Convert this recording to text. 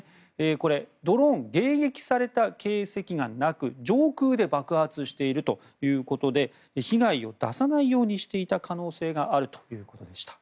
これ、ドローン迎撃された形跡がなく上空で爆発しているということで被害を出さないようにしていた可能性があるということでした。